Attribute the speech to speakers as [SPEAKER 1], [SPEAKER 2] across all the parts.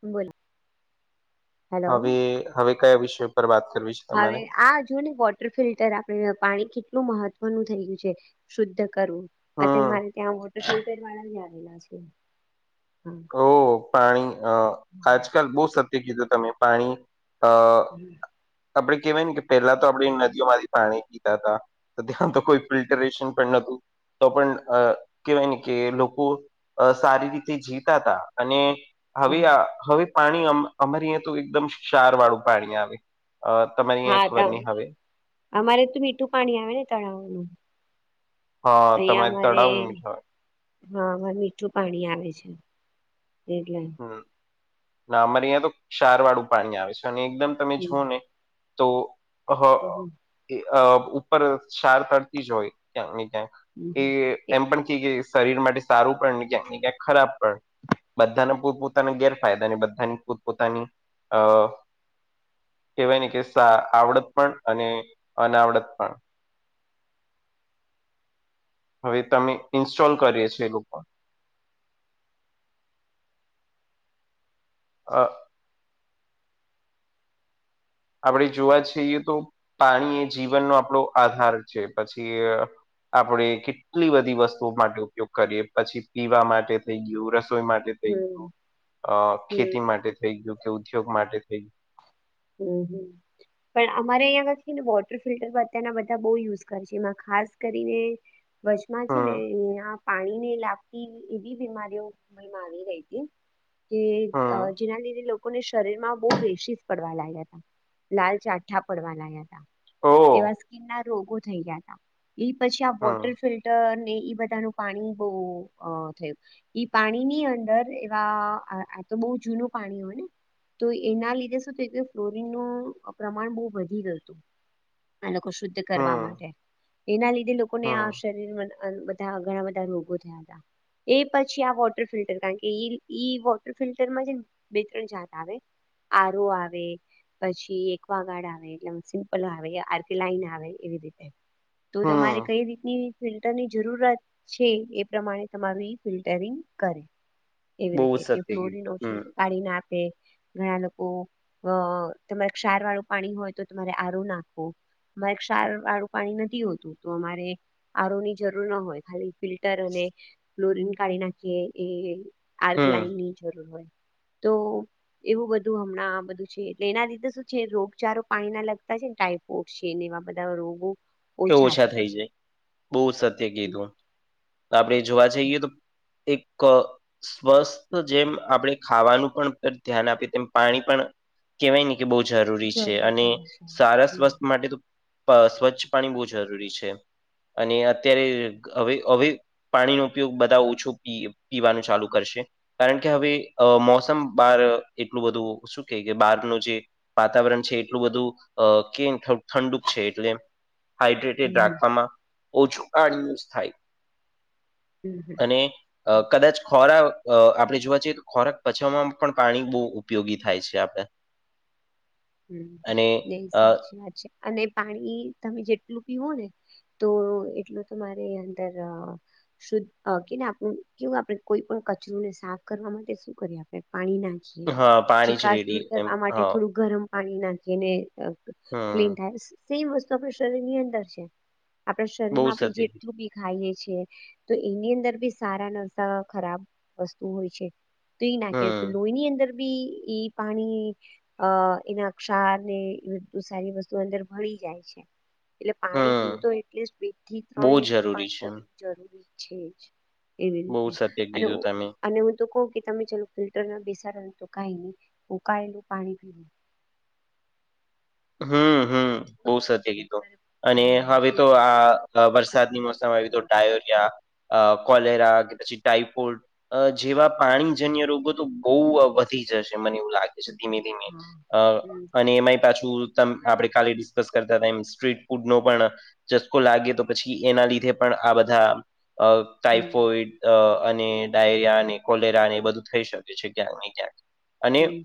[SPEAKER 1] બોલો
[SPEAKER 2] હવે હવે કયા વિષય પર વાત કરવી છે
[SPEAKER 1] હવે
[SPEAKER 2] તમારે
[SPEAKER 1] આ જો ને વોટર ફિલ્ટર આપણે પાણી કેટલું મહત્વનું થય ગયું છે. શુદ્ધ કરવું અને
[SPEAKER 2] હમ
[SPEAKER 1] મારે ત્યાં વોટર ફિલ્ટર વાળા બી આવેલા છે. હા
[SPEAKER 2] ઓ પાણી અ આજકાલ બહુ સત્ય કીધું તમે પાણી અ આપડે કેવાય ને કે પેલા તો આપણી નદીઓમાંથી પાણી પીતા હતા. ત્યાં તો કોઈ ફિલ્ટરેશન પણ નહતું. તો પણ અ કહેવાય ને કે લોકો સારી રીતે જી વતાતા અને
[SPEAKER 1] હા
[SPEAKER 2] આવી આ હવે પાણી અમારી અં અમારે આય તો એકદમ ક્ષાર વાળું પાણી આવે. તમારી
[SPEAKER 1] હા
[SPEAKER 2] અહીંયા ખબર નહી
[SPEAKER 1] [unintelligible]
[SPEAKER 2] હવે
[SPEAKER 1] અમારે તો મીઠું પાણી આવે ને તળાવનું.
[SPEAKER 2] હા
[SPEAKER 1] અહિયાં
[SPEAKER 2] તમારે
[SPEAKER 1] મારે
[SPEAKER 2] તળાવ ન મીઠ
[SPEAKER 1] હા મીઠું પાણી આવે છે એટલે
[SPEAKER 2] ના અમારે અહંયા તો ક્ષાર વાળું પાણી આવે છે અને એકદમ તમે જુઓને તો હ
[SPEAKER 1] હમ્મ.
[SPEAKER 2] ઉપર સાર ફરતી જ હોય ક્યાંક ને ક્યાંક એ
[SPEAKER 1] હમ
[SPEAKER 2] એમ પણ કેય કે શરીર માટે સારું પણ ને ક્યાંક ને ક્યાંક ખરાબ પણ બધાને પોત પોતાની ગેરફાયદા અને બધાની પોતપોતાની અ કહેવાય ને કે સા આવડત પણ અને અનાવડત પણ હવે તમે ઇન્સ્ટોલ કરીએ છે એ લોકો હ આપણે જોવા જઈએ તો પાણી એ જીવનનો આપણો આધાર છે પછી આપણે કેટલી બધી વસ્તુઓ માટે ઉપયોગ કરીએ પછી પીવા માટે થઈ ગયું રસોઈ
[SPEAKER 1] હમ
[SPEAKER 2] માટે
[SPEAKER 1] હમ
[SPEAKER 2] અ ખેતી
[SPEAKER 1] હમ
[SPEAKER 2] માટે થઈ ગયું કે ઉદ્યોગ માટે થઈ ગયું
[SPEAKER 1] હમ્મ હમ્મ પણ અમારે અહીંયા [unintelligible] વોટર ફિલ્ટર અત્યારના બધા બહુ યુઝ કર છે એમાં ખાસ કરીને વચમાં છે ને
[SPEAKER 2] હમ
[SPEAKER 1] અં પાણીને લાગતી એવી બીમારીઓમાં આવી રહી હતી કે અ
[SPEAKER 2] હમ
[SPEAKER 1] જેના લીધે લોકોને શરીર માં બહુ રેશીસ પડવા લાગ્યા હતા લાલ ચાઠા પડવા લાગ્યા હતા.
[SPEAKER 2] ઓ
[SPEAKER 1] એવા સ્કીિન ના રોગો થઈ ગયા તા એ પછી આ
[SPEAKER 2] હમ
[SPEAKER 1] વોટર ફિલ ટર ને એ બધાનું પાણી બહ અ થયું ઈ પાણી ની અંદર એવા આ તો બહ જૂનું પાણી હોય ને તો એના લીધે શું થયું ફ્લોરીન નું પ્રમાણ બહુ વધી ગયુ તું આ લોકો શુદ્ધ કરવા
[SPEAKER 2] હમ
[SPEAKER 1] માટે એના લીધે લોકો ને આ
[SPEAKER 2] હમ
[SPEAKER 1] આવશે શરીરમાં બધા ઘણા બધા રોગો થયા હતા. એ પછી આ વોટર ફિલ્ટર કારણ કે ઈ વોટર ફિલ્ટરમાં છે ને બે ત્રણ જાત આવે આરો આવે પછી એકવા ગાર્ડ આવે એટલે સિમ્પલ આવે આરકલાઈન આવે એવી રીતે તું તમારે
[SPEAKER 2] હમ
[SPEAKER 1] કઈ રીતની ફિલ્ટરની જરૂરત છે એ પ્રમાણે તમારું ઇ ફિલ્ટરિંગ કરે એવી
[SPEAKER 2] બહુ
[SPEAKER 1] રીતે
[SPEAKER 2] જ સત્ય
[SPEAKER 1] કે
[SPEAKER 2] કીધું
[SPEAKER 1] ફ્લોરી ઓછું
[SPEAKER 2] હમ
[SPEAKER 1] કાઢી ને આપે ઘણા લોકો અ તમારે ક્ષાર વાળું પાણી હોય તો તમારે આરો નાખવું મારે ક્ષાર વાળું પાણી નથી હોતું તો અમારે આરોની જરૂર ના હોય ખાલી ફિલ્ટર અને ફલોરીન કાઢી નાખીએ એ
[SPEAKER 2] હમ
[SPEAKER 1] આલ્કલાઇનની જરૂર હોય તો એવું બધું હમણાં બધું છે એટલે એના લીધે શું છે રોગચારો પાણી ના લગતા છે ને ટાઈફોઇડ છે ને એવા બધા રોગો
[SPEAKER 2] કે ઓછા થઇ જાય બઉ જ સત્ય
[SPEAKER 1] હમ.
[SPEAKER 2] કીધું આપણે જોવા જઈએ તો એક અ સ્વસ્થ જેમ આપડે ખાવાનું પણ ધ્યાન આપીએ તેમ પાણી પણ કેવાય ને બહુ જરૂરી
[SPEAKER 1] જરૂર
[SPEAKER 2] છે અને
[SPEAKER 1] થઈ હશે
[SPEAKER 2] સારા
[SPEAKER 1] હમ
[SPEAKER 2] સ્વસ્થ માટે તો સ્વચ્છ પાણી બહુ જરૂરી છે અને અત્યારે હવે હવે પાણીનો ઉપયોગ બધા ઓછું પી પીવાનું ચાલુ કરશે કારણ કે હવે મોસમ બાર એટલું બધું શું કે કે બારનું જે વાતાવરણ છે એટલું બધું અ કે ઠંડુ છે એટલે
[SPEAKER 1] હમ
[SPEAKER 2] હાઈડ્રેટેડ
[SPEAKER 1] હમ
[SPEAKER 2] રાખવામાં ઓછું કારણ યુઝ થાય.
[SPEAKER 1] હમ હમ.
[SPEAKER 2] અને અ કદાચ ખોરાક આપણે જોવા જઈએ તો ખોરાક પચાવવામાં પણ પાણી બહુ ઉપયોગી થાય છે આપણે
[SPEAKER 1] [unintelligible] હમ્મ
[SPEAKER 2] અને
[SPEAKER 1] એઈ
[SPEAKER 2] અ
[SPEAKER 1] સાચી વાત છે અને પાણી તમે જેટલું પીવો ને તો એટલું તમારે અંદર અ શુદ્ધ કે આપણું કેવું આપણેે કોઈ પણ કચરુંને સાફ કરવા માટે શું કરીએ આપણે પાણી ના
[SPEAKER 2] હા પાણી જ
[SPEAKER 1] ચીકાસ
[SPEAKER 2] રેડી
[SPEAKER 1] દૂર
[SPEAKER 2] એમ
[SPEAKER 1] કરવા માટે
[SPEAKER 2] હા
[SPEAKER 1] થોડું ગરમ પાણી નાખીને
[SPEAKER 2] હમ
[SPEAKER 1] ક્લીન થાય સેમ વસ્તુ આપણા શરીર ની અંદર છે. આપણા
[SPEAKER 2] બહુ
[SPEAKER 1] શરીરમાં
[SPEAKER 2] સત્ય
[SPEAKER 1] આપણે
[SPEAKER 2] કીધું
[SPEAKER 1] જેટલું ભી ખાઈએ છીએ તો એની અંદર બી સારા નરસા ખરાબ વસ્તુ હોય છે. તો એ નાખે તો
[SPEAKER 2] હમ
[SPEAKER 1] લોહીની અંદર બી એ પાણી અ એના ક્ષાર ને એ બધું સારી વસ્તુ અંદર ભળી જાય છે. એટલે પાણી પીવું તો
[SPEAKER 2] હમ
[SPEAKER 1] એટલીસ્ટ બે થી
[SPEAKER 2] બહુ
[SPEAKER 1] ત્રણ લીટર
[SPEAKER 2] જરૂરી
[SPEAKER 1] પાણી
[SPEAKER 2] છે
[SPEAKER 1] તો
[SPEAKER 2] એમ
[SPEAKER 1] પીવું જરૂરી છે જ એવી
[SPEAKER 2] બહુ
[SPEAKER 1] રીતે
[SPEAKER 2] સત્ય
[SPEAKER 1] અને
[SPEAKER 2] કીધું તમે
[SPEAKER 1] અને હું તો કઉ કે તમે ચાલો ફિલ્ટર ના બેસાડો તો કાઈ નહીં ઉકાળેલું પાણી પીવું
[SPEAKER 2] હમ્મ હમ્મ બહુ સત્ય કીધું અને
[SPEAKER 1] હા
[SPEAKER 2] હવે
[SPEAKER 1] એ
[SPEAKER 2] તો આ વરસાદની મોસમ આવી તો ડાયોરિયા કોલેરા કે પછી ટાઈફોડ અ જેવા પાણીજન્ય રોગો તો બહુ વધી જશે મને એવું લાગે ધીમે ધીમે
[SPEAKER 1] હા
[SPEAKER 2] અ
[SPEAKER 1] હમ
[SPEAKER 2] અને એમાંય પાછું તમ આપણે કાલે ડિસ્કસ કરતા હતા એ સ્ટ્રીટ ફૂડ નો પણ ચસકો લાગે તો પછી એના લીધે પણ આ બધા અ
[SPEAKER 1] હમ
[SPEAKER 2] ટાઈફોઈડ અને ડાયરિયા અને કોલેરા અને એ બધું થઈ શકે છે ક્યાંક ને ક્યાંક અને
[SPEAKER 1] હમ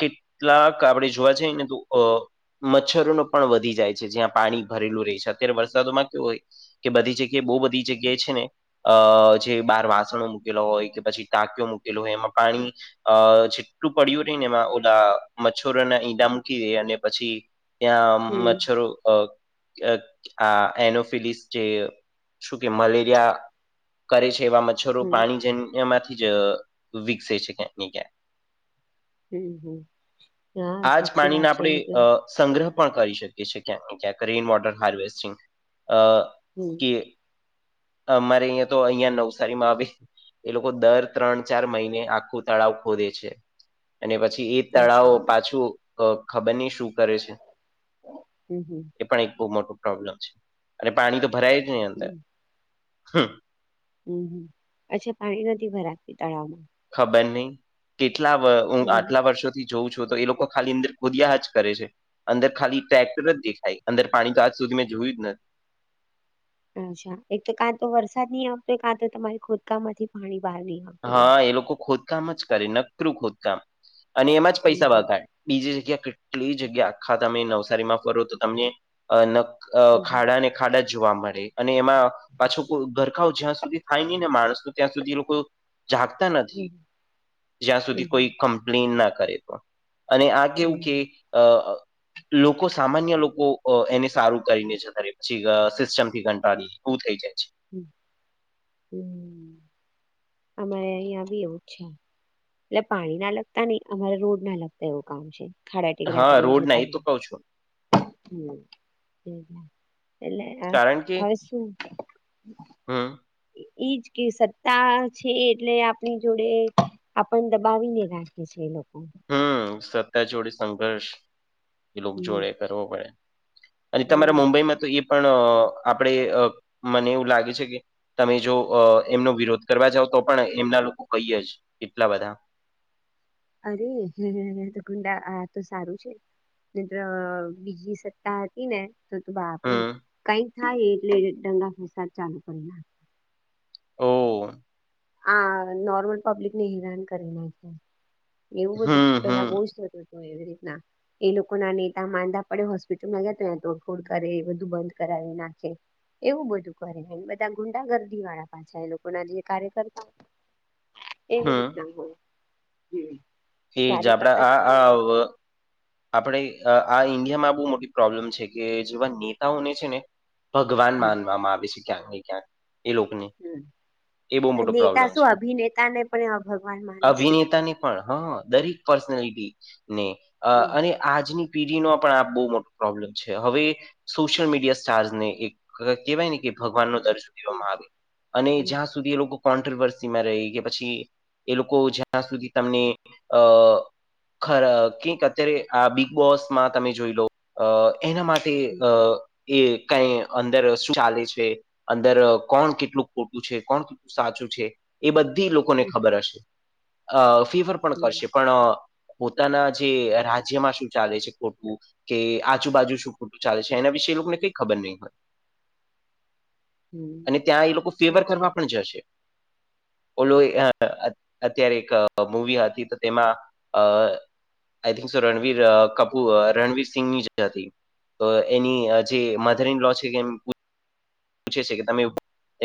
[SPEAKER 2] કેટલાક આપણે જોવા જઈને તો અ મચ્છર પણ વધી જાય છે જ્યાં પાણી ભરેલું રહે છે અત્યારે વરસાદોમાં કેવું હોય કે બધી જગ્યા એ
[SPEAKER 1] હમ
[SPEAKER 2] બહુ બધી જગ્યા જે છે ને અ જે બાર વાસણો મૂકેલો હોય કે પછી ટાકીયો મૂકેલો હોય એમાં પાણી અ જેટલું પડ્યું રહી ને એમાં ઓલા મચ્છરો ના ઈ ઈડા મૂકી દે અને પછી ત્યાં
[SPEAKER 1] હમ
[SPEAKER 2] મચ્છરો અ અ આ એનોફિલીસ જે શું કે મલેરિયા કરે છે એવા મચ્છરો
[SPEAKER 1] હમ
[SPEAKER 2] પાણી જેન્યમાંથી જ વિકસે છે ક્યાંક ને ક્યાંક
[SPEAKER 1] હમ્મ હમ્મ હા
[SPEAKER 2] આ જ
[SPEAKER 1] સાચી
[SPEAKER 2] પાણીને
[SPEAKER 1] વાત છે
[SPEAKER 2] આપણે અ
[SPEAKER 1] એટલા
[SPEAKER 2] સંગ્રહ પણ કરી શકીએ છીએ ક્યાંક ને ક્યાંક રેઇન વોટર હાર્વેસ્ટિંગ અ
[SPEAKER 1] હમ.
[SPEAKER 2] કે અમારે અહિયાં તો, અહિયાં નવસારીમાં આવે. એ લોકો દર ત્રણ-ચાર મહિને આખું તળાવ ખોદે છે. અને પછી એ તળાવ
[SPEAKER 1] અચ્છા
[SPEAKER 2] પાછું ખબરની શું કરે છે.
[SPEAKER 1] હમ, હમ.
[SPEAKER 2] એ પણ એક બહુ મોટું પ્રોબ્લેમ છે, અને પાણી તો ભરાય જ નહી, અંદર
[SPEAKER 1] હમ
[SPEAKER 2] હ.
[SPEAKER 1] હમ, હ, મ અચ્છા, પાણી નથી ભરાતી તળાવમાં.
[SPEAKER 2] ખબર નહીં, કેટલા
[SPEAKER 1] હમ
[SPEAKER 2] આટલા વર્ષો. થી જોઉું છું, તો એ લોકો ખાલી અંદર ખુદીયા જ કરે છે. અંદર ખાલી ટ્રેક્ટર જ દેખાય, અંદર પાણી તો આજ સુધી મેં જોયું જ ને.
[SPEAKER 1] અચ્છા, એક તો કાં તો વરસાદ નહી આવતો, કાં તો તમારી ખોદકામાંથી પાણી બહાર હી આવ.
[SPEAKER 2] હા, એ લોકો ખોદકામ જ કરે નકરું, ખોદકામ અને એમાં જ
[SPEAKER 1] હમ
[SPEAKER 2] પૈસા
[SPEAKER 1] હમ
[SPEAKER 2] વગાડે. બીજી જગ્યા કેટલી? જગ્યા આખા તમે નવસારી માં ફરો તો તમને. અ ન
[SPEAKER 1] હમ
[SPEAKER 2] ખાડાને ખાડા જોવા મળે, અને એમાં પાછો કો ગોરખાવ જ્યાં સુધી થાય નહી ને, માણસ ન ત્યાં સુધી એ લોકો. જાગતા નથી,
[SPEAKER 1] હમ
[SPEAKER 2] જ્યાં સુધી
[SPEAKER 1] હમ
[SPEAKER 2] કોઈ
[SPEAKER 1] હમ
[SPEAKER 2] કમ્પ્લેન ના કરે તો. અને આ કેવું
[SPEAKER 1] હમ
[SPEAKER 2] કે, અ લોકો સામાન્ય લોકો. એને સારું કરીને છે, અત્યારે પછી સિસ્ટમ થી ઘંટાળી એવું થઈ જાય છે.
[SPEAKER 1] હમ, હમ. અમારે અહીંયા આવી એવું છે. એટલે પાણી ના લગતા નહીં, અમારે રોડ ના લગતા, એવું કામ છે. ખાડા ટેકરા
[SPEAKER 2] હા
[SPEAKER 1] કરીને,
[SPEAKER 2] રોડ ના
[SPEAKER 1] જતા
[SPEAKER 2] એ
[SPEAKER 1] રહે.
[SPEAKER 2] તો કઉ છું
[SPEAKER 1] એટલે આ
[SPEAKER 2] કારણ કે
[SPEAKER 1] હવે શું?
[SPEAKER 2] હમ
[SPEAKER 1] એ જ કે સત્તા છે, એટલે આપણી જોડે આપણ દબાવીને રાખે છે એ લોકો.
[SPEAKER 2] હમ, સત્તા જોડી સંઘર્ષ. એ લોકો
[SPEAKER 1] હમ
[SPEAKER 2] જોડે કરવો પડે, અને તમારા
[SPEAKER 1] હમ
[SPEAKER 2] મુંબઈમાં તો એ. પણ આપડે મને એવું લાગે છે કે. તમે જો એમનો વિરોધ કરવા જાવ, તો પણ એમના લોકો કહીયે જ કેટલા બધા.
[SPEAKER 1] અરે હ ગુંડા આ તો સારું છે. મિત્ર, બીજી સત્તા હતી ને. તો તો આપડે
[SPEAKER 2] હમ
[SPEAKER 1] કઈક થાય, એટલે ડંગા ફસાદ ચાલુ કરી ના.
[SPEAKER 2] ઓહ.
[SPEAKER 1] આ નોર્મલ પબ્લિક ને હેરાન કરી નાખ છે, એવું બધું
[SPEAKER 2] હમ
[SPEAKER 1] પેલા
[SPEAKER 2] હમ
[SPEAKER 1] બહુ જ હતું. હો, એવી રીતના. એ લોકો ના નેતા માંદા પડે, હોસ્પિટલમાં ગયા તો, ત તોડફોડ કરે એ બધું બંધ કરાવી નાખે. એવું બધું કરે, બધા ગુંડા ગર્દી વાળા પાછા એ લોકો ના જે કાર્ય કરે. એવી
[SPEAKER 2] હમ
[SPEAKER 1] રીતના હો, હમ,
[SPEAKER 2] એ જ
[SPEAKER 1] ત્યારે
[SPEAKER 2] આપડા
[SPEAKER 1] કરતા
[SPEAKER 2] આ
[SPEAKER 1] બધા
[SPEAKER 2] આ
[SPEAKER 1] એવા.
[SPEAKER 2] વ આપણે આ ઇન્ડિયા માં બહુ મોટી પ્રોબ્લેમ છે કે, જેવા નેતાઓને છે ને‌. ભગવાન માનવામાં આવે છે, ક્યાંક ને ક્યાંક. એ લોકોને
[SPEAKER 1] હમ.
[SPEAKER 2] એ બહુ મોટો
[SPEAKER 1] નેતા
[SPEAKER 2] પ્રોબ્લેમ
[SPEAKER 1] શું
[SPEAKER 2] છે,
[SPEAKER 1] અભિનેતા ને પણ ભગવાન માને છે તો.
[SPEAKER 2] અભિનેતાની. હ, દરેક પર્સનાલિટી ને
[SPEAKER 1] હમ.
[SPEAKER 2] અને. આજની પીઢી નો પણ આ બહુ મોટો પ્રોબ્લેમ છે, હવે સોશિયલ
[SPEAKER 1] હમ.
[SPEAKER 2] મીડિયા સ્ટાર્જ ને એક. કેવાય ને કે, ભગવાન નો દર્જન કેવામાં આવે, અને
[SPEAKER 1] હમ.
[SPEAKER 2] જ્યાં સુધી એ લોકો કોન્ટ્રોવર્સી માં રહી કે, પછી એ લોકો જ્યાં સુધી તમને અ ખ ક. અત્યારે આ બિગ બોસમાં તમે જોઈ લો, એના માટે
[SPEAKER 1] હમ.
[SPEAKER 2] અ એ કઈ અંદર શું ચાલે છે? અંદર કોણ કેટલું ખોટું છે? કોણ સાચું છે, એ બધી લોકો ર હ ફીવર પણ
[SPEAKER 1] હમ.
[SPEAKER 2] કરશે, પણ પોતાના જે રાજ્યમાં શું ચાલે છે ખોટું કે આજુબાજુ શું ખોટું ચાલે છે એના વિશે લોકોને કઈ ખબર નહીં હોય. -
[SPEAKER 1] હમ.
[SPEAKER 2] અને ત્યાં એ લોકો ફેવર
[SPEAKER 1] સાચી.
[SPEAKER 2] કરવા પણ જશે. -
[SPEAKER 1] [inaudible]
[SPEAKER 2] ઓલો અત્યારે એક મવી હતી તો તેમાં અ આઈ થિંક રણવીર કપૂર રણવીર સિંંગ ની જ હતી. - તો એની જે મધર ઈન લો છે કે પૂછે છે કે તમે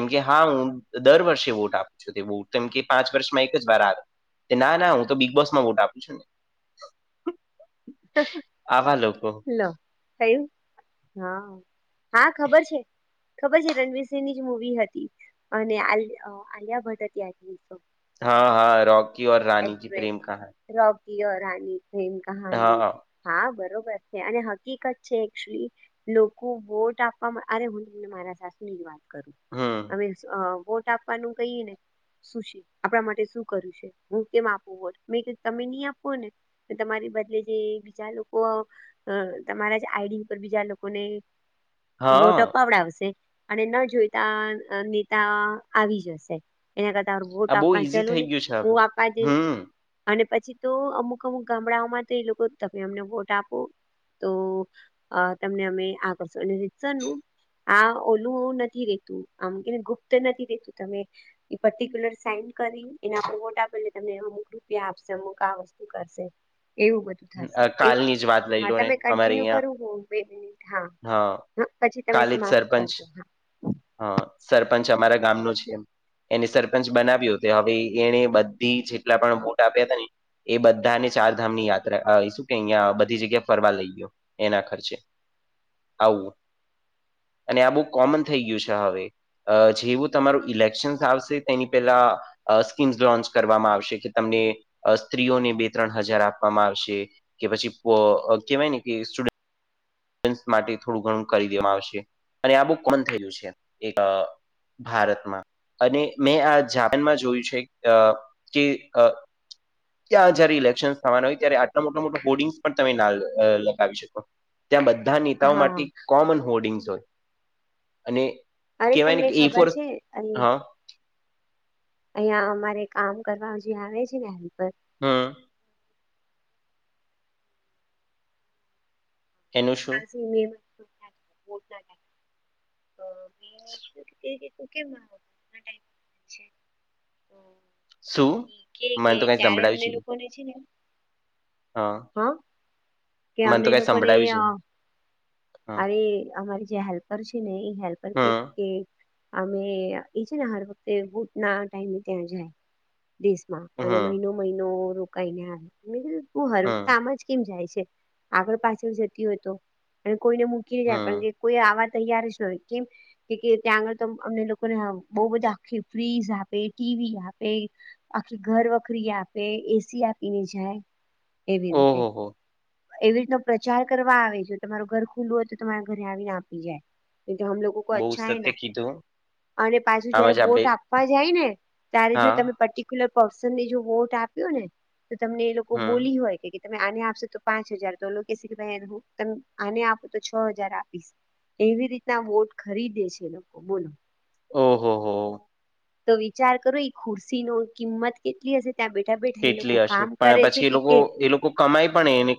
[SPEAKER 2] એમ કે હા હું દર વર્ષે વોટ આપું છું તે વો કેમ કે પાંચ વર્ષમાં એક જ વાર આવે ના ના હું તો બિગ બોસ માં વોટ આપું છું ને
[SPEAKER 1] [inaudible]
[SPEAKER 2] આવા લોકો
[SPEAKER 1] લો થયું હા હા ખબર છે. - ખબર છે રણવીરસિંહની જ મુૂવી હતી અને આલિયા ભટ્ટ હતી આઈ થિંક સો
[SPEAKER 2] હા હા રોકી રની ક
[SPEAKER 1] એક્ટ્રેસ
[SPEAKER 2] પ્રેમ કહાની. -
[SPEAKER 1] રોકી ઓર રાની પ્રેમ કહની હા બરોબર છે અને હકીકત છે એચુલી લોકો વોટ આપવા અરે હું તમને મારા સાસની જ વાત કર આમીસ વોટ આપ પનું કહીએ ને શું છે આપણા માટે શું કર્યું છે? હું કેમ આપું હો મે તમે નહી આપો ને તમારી બદલે જે બીજા લોકો હ તમારા આઈડી ઉપર બીજા લોકોને વોટ
[SPEAKER 2] હા
[SPEAKER 1] અપાવડાવશે અને ન જોઈતા નેતા આવી જશે. - એના કરતા વોટ
[SPEAKER 2] આ બહુ
[SPEAKER 1] આપવા
[SPEAKER 2] ઈઝી
[SPEAKER 1] ચાલ ને
[SPEAKER 2] થઈ ગયું છે હવે
[SPEAKER 1] હું આપવા જ
[SPEAKER 2] હમ
[SPEAKER 1] અને પછી તો અમુક અમુક ગામડાઓમાં તો એ લોકો તમે અમને વોટ આપો તો તમને અમે આ કરશું અને રીસ સર નું આ ઓલું નથી રેતું આમ કેને ગુપ્ત નથી રેતું તમે એ પર્ટિક્યુલર સાઈન કરી એના પ [inaudible] તમને અમુક રૂપિયા આપશે અમુક આ વસ્તુ કરશે એવું બ
[SPEAKER 2] અ,
[SPEAKER 1] એક
[SPEAKER 2] કાલની જ વાત લઈ
[SPEAKER 1] હા
[SPEAKER 2] લો ને
[SPEAKER 1] તમે
[SPEAKER 2] અમારે
[SPEAKER 1] કન્ટિન્યુ
[SPEAKER 2] અહીંયા
[SPEAKER 1] કરો બે મિનિટ હા હા પછી તમે
[SPEAKER 2] કાલે જ
[SPEAKER 1] સમાપ્ત
[SPEAKER 2] સરપંચ
[SPEAKER 1] કરજો હા
[SPEAKER 2] હા સરપંચ અમારા ગામ નુ છે એમ એને સરપંચ બનાવ્યો હતો હવે એને બધી જેટલા પણ વોટ આપ્યા હતા ને એ બધા ને ચાર ધામ ની યાત્રા શું કે અહિયાં બધી જગ્યા ફરવા લઈ ગયો. - એના ખર્ચે આવું અને આ બઉ કોમન થઈ ગયું છે હવે જેવું તમારું ઇલેક્શન આવશે તેની પેલા અ સ્કીમ્સ લોન્ચ કરવામાં આવશે કે તમને સ્ત્રીઓને બે ત્રણ હજાર આપવામાં આવશે. - કે પછી કેહેવાય ને સ્ટુડન્ટ માટે થોડું ઘણું કરી દેવામાં આવશે અને આ બઉ કોણ થયયું છે એક ભારતમાં અને મેં આ જાપાનમાં જોયું છે કે અ ત્યાં જયારે ઇલેક્શન થવાના હોય ત્યારે આટલા મોટા મોટા હોર્ડિંગ્સ પણ તમે ના લગાવી શકો. - ત્યાં બધા નેતાઓ
[SPEAKER 1] હા
[SPEAKER 2] માટે કોમન હોર્ડિંગ્સ હોય અને
[SPEAKER 1] અરે
[SPEAKER 2] કેવાય ને
[SPEAKER 1] તમને
[SPEAKER 2] કે એ
[SPEAKER 1] ખબર
[SPEAKER 2] ફોર
[SPEAKER 1] છે અને
[SPEAKER 2] હા
[SPEAKER 1] અહિયાં અમારે કામ કરવા જે આવે છે ને હેલ્પર
[SPEAKER 2] હા એનું શું.
[SPEAKER 1] [unintelligible]
[SPEAKER 2] [inaudible]
[SPEAKER 1] કેમાટે છે [unintelligible]
[SPEAKER 2] શું
[SPEAKER 1] ઈ કે કે
[SPEAKER 2] મને તો કઈ
[SPEAKER 1] ત્યારે
[SPEAKER 2] સંભળાવ્યું
[SPEAKER 1] અમને
[SPEAKER 2] જ નહી
[SPEAKER 1] લોકો ને છે ને હા કે
[SPEAKER 2] મને તો
[SPEAKER 1] અમને
[SPEAKER 2] કઈ
[SPEAKER 1] લોકો ને
[SPEAKER 2] સંભળાવ્યું જ
[SPEAKER 1] અ
[SPEAKER 2] નહી હા
[SPEAKER 1] અરે અમારી જે હેલ્પર છે ને એ હેલ્પર કે
[SPEAKER 2] હમ
[SPEAKER 1] કે અમે એ છે ને હર વખતે બૂટ ના ટાઈમ ત્યાં જાય. દેશમાં અને
[SPEAKER 2] હમ
[SPEAKER 1] મહિનો મહિનો રોકાઈને આવે. મેં કીધું તું હર વખત
[SPEAKER 2] હમ
[SPEAKER 1] આમ જ કેમ જાય છે આગળ પાછળ જતી હોય તો અને કોઈને મુક કી જાય પણ
[SPEAKER 2] હમ
[SPEAKER 1] કોઈ આવા તૈયાર જ ન હોય કેમ કે કે ત્યાં આગળ તો અમને લોકોને બહુ બધા આખી ફ્રીઝ આપે, ટીવી આપે. આખી ઘર વખરી આપે, એસી આપીને જાય. એવી રીતે
[SPEAKER 2] ઓહો હો
[SPEAKER 1] એવી રીતનો પ્રચાર કરવા આવે જો તમારું ઘર ખુલ્લું હોય તો તમારા ઘરે આવીને આપી જાય કે કે હમ લોગો કો
[SPEAKER 2] બહુ
[SPEAKER 1] અચ્છા હૈ
[SPEAKER 2] સત્ય
[SPEAKER 1] ના.
[SPEAKER 2] કીધું
[SPEAKER 1] અને પાછું જયારે
[SPEAKER 2] આમાં જ આપડે
[SPEAKER 1] વોટ આપવા જાય ને ત્યારે જો
[SPEAKER 2] હા
[SPEAKER 1] તમે પટી ક્યુલર પર્સનને જો વોટ આપ્યો ને તો તમને એ લોકો
[SPEAKER 2] હમ
[SPEAKER 1] બોલી હોય કે તમે આને આપશો તો પાંચ હજાર તોલો કેસી ભ હું તમ આને આપો તો છ હજાર આપીશ. એવી રીતના વોટ ખરીદે છે એ લોકો બોલો.
[SPEAKER 2] ઓહો! હો
[SPEAKER 1] તો વિચાર કરો એ ખુરશીનો કિંમત કેટલી હશે? ત્યાં બેઠા બેઠા એ લોકો કામ કરે છે કે કે
[SPEAKER 2] કો કમાઈ પણ એની કા